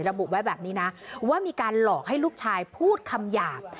ระบุไว้แบบนี้นะว่ามีการหลอกให้ลูกชายพูดคำหยาบ